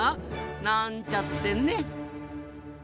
なんちゃってね。